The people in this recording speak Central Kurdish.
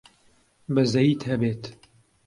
بەزەییت هەبێت!